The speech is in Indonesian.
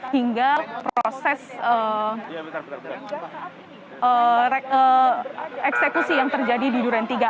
hingga proses eksekusi yang terjadi di duren tiga